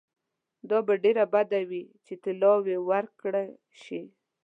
دا به ډېره بده وي چې طلاوي ورکړه شي.